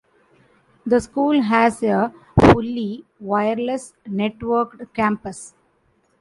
The school has a fully wireless-networked campus.